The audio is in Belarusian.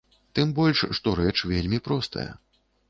Тым больш, што рэч вельмі простая.